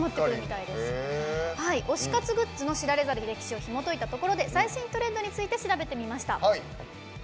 推し活グッズの知られざる歴史をひもといたところで最新トレンドについて調べてみました。